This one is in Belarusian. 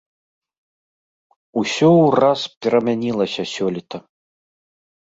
Усё ўраз перамянілася сёлета.